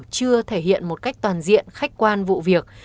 chưa thể hiện một cách toàn diện khách quan vụ việc